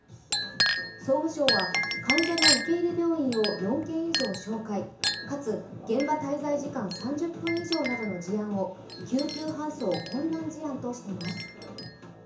総務省は、患者の受け入れ病院を４件以上紹介かつ現場滞在時間３０分以上などの事案を救急搬送困難事案としています。